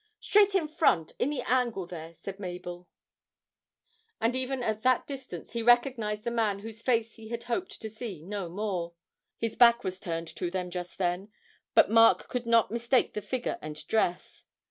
'Straight in front; in the angle there,' said Mabel; and even at that distance he recognised the man whose face he had hoped to see no more. His back was turned to them just then, but Mark could not mistake the figure and dress.